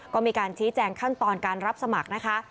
ก็มีการชี้แจงขั้นตอนการรับสมัครนะคะ